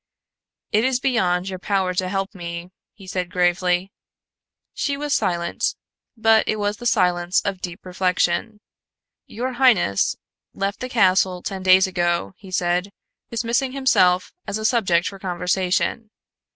"It is beyond your power to help me," he said gravely. She was silent, but it was the silence of deep reflection. "Your highness left the castle ten days ago," he said, dismissing himself as a subject for conversation.